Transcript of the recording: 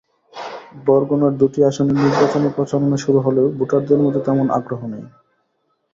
বরগুনার দুটি আসনে নির্বাচনী প্রচারণা শুরু হলেও ভোটারদের মধ্যে তেমন আগ্রহ নেই।